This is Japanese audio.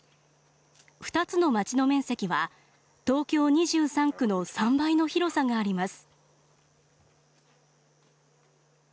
２つの町の面積は東京２３区の３倍の広さがあります。